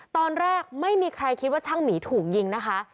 ตอนแรกไม่มีใครคิดว่าช่างหมีถูกยิงนะคะ